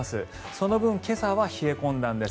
その分、今朝は冷え込んだんです。